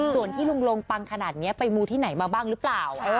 ส่วนที่ลุงลงปังขนาดนี้ไปมูที่ไหนมาบ้างหรือเปล่า